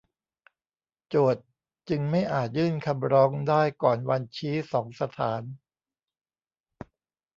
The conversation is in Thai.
โจทก์จึงไม่อาจยื่นคำร้องได้ก่อนวันชี้สองสถาน